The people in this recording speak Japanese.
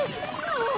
もう！